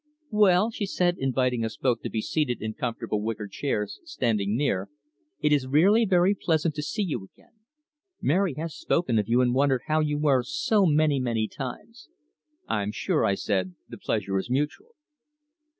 "Well," she said, inviting us both to be seated in comfortable wicker chairs standing near, "it is really very pleasant to see you again. Mary has spoken of you, and wondered how you were so many, many times." "I'm sure," I said, "the pleasure is mutual."